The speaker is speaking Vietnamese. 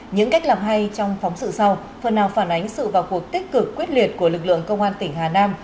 những cách làm hay trong phóng sự sau phần nào phản ánh sự vào cuộc tích cực quyết liệt của lực lượng công an tỉnh hà nam